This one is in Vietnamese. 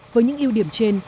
với những ưu điểm trên